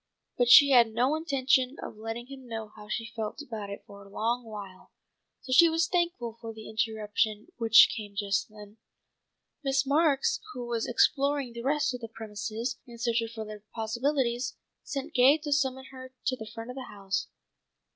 But she had no intention of letting him know how she felt about it for a long while, so she was thankful for the interruption which came just then. Miss Marks, who was exploring the rest of the premises in search of further possibilities, sent Gay to summon her to the front of the house.